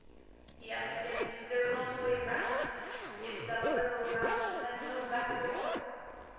He asked again if there was not a way round, if that circle of mountains had no back door.